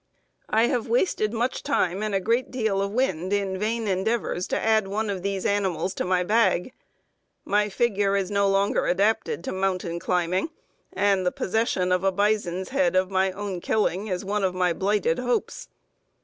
"I have wasted much time and a great deal of wind in vain endeavors to add one of these animals to my bag. My figure is no longer adapted to mountain climbing, and the possession of a bison's head of my own killing is one of my blighted hopes.